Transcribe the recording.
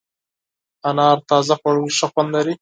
انار تازه خوړل ښه خوند لري.